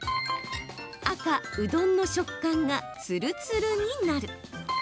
赤・うどんの食感がつるつるになる。